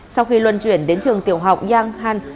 sau khi luân chuyển đến trường tiểu học giang hàn